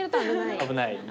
危ないね。